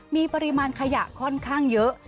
มีปริมาณขยะค่อนข้างเยอะ